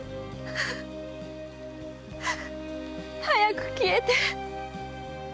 早く消えて！